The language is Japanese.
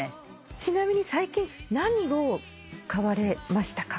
ちなみに最近何を買われましたか？